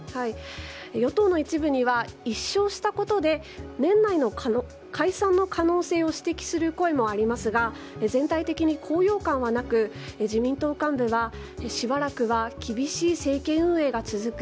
与党の一部には１勝したことで年内の解散の可能性を指摘する声もありますが全体的に高揚感はなく自民党幹部はしばらくは厳しい政権運営が続く。